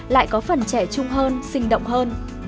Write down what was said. lại có phần trẻ trung hơn sinh động hơn